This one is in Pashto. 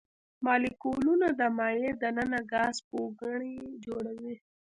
مالیکولونه د مایع د ننه ګاز پوکڼۍ جوړوي.